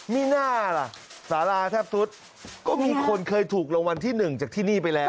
มีหน้าล่ะสาราแทบสุดก็มีคนเคยถูกรางวัลที่๑จากที่นี่ไปแล้ว